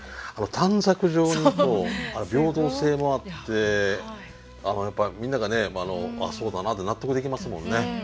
短冊状にこう平等性もあってみんながあっそうだなって納得できますもんね。